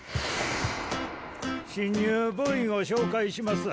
新入部員を紹介します。